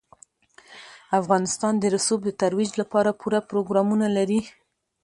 افغانستان د رسوب د ترویج لپاره پوره پروګرامونه لري.